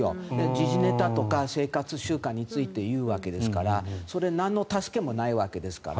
時事ネタとか生活習慣について言うわけですからそれなんの助けもないわけですから。